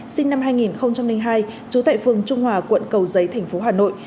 sinh năm hai nghìn hai trú tại phường trung hòa quận cầu giấy tp hà nội